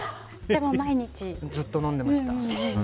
ずっと飲んでました。